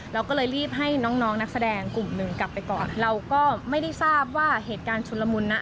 เราก็เลยรีบให้น้องน้องนักแสดงกลุ่มหนึ่งกลับไปก่อนเราก็ไม่ได้ทราบว่าเหตุการณ์ชุนละมุนนะ